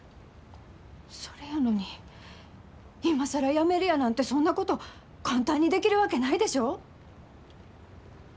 それやのに今更辞めるやなんてそんなこと簡単にできるわけないでしょう？